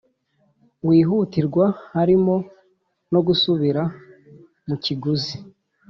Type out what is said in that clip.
Wihutirwa harimo no gusubira mu kiguzi